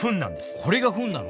これがフンなの？